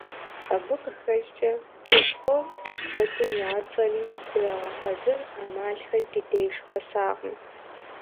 Абы къыхэкӏкӏэ, хущхъуэфӏ куэдым я цӏэри, зэрагъэхьэзыр ӏэмалхэри ди деж къэсакъым.